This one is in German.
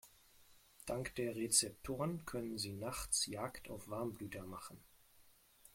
Dank der Rezeptoren können sie nachts Jagd auf Warmblüter machen.